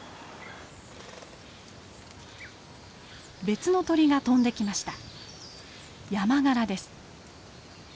別の鳥が飛んできました。